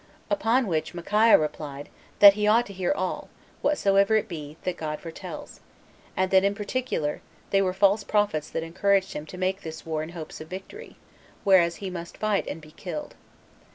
Upon which Micaiah replied, that he ought to hear all, whatsoever it be, that God foretells; and that in particular, they were false prophets that encouraged him to make this war in hope of victory, whereas he must fight and be killed.